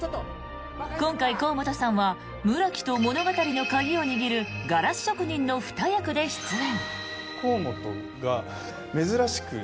今回、甲本さんは村木と物語の鍵を握るガラス職人の２役で出演。